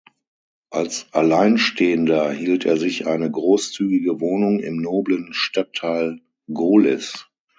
Als Alleinstehender hielt er sich eine großzügige Wohnung im noblen Stadtteil Gohlis.